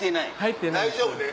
大丈夫ね？